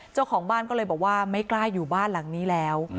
เจ้าของบ้านก็เลยบอกว่าไม่กล้าอยู่บ้านหลังนี้แล้ว